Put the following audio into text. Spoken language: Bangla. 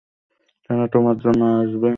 তারা তোমার জন্য আসবে!